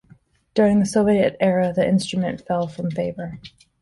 During the Soviet era the instrument fell from favour.